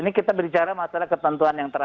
ini kita berbicara masalah ketentuan yang terjadi